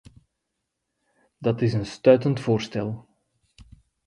Dat is een stuitend voorstel.